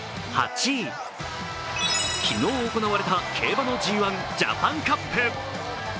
昨日行われた競馬のＧⅠジャパンカップ。